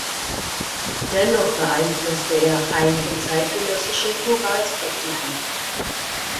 Dennoch beeinflusste er einige zeitgenössische Moralskeptiker.